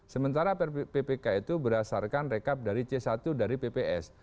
sementara ppk itu berdasarkan rekap dari c satu dari pps